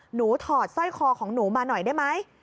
ถอดสร้อยคอของหนูมาหน่อยได้ไหม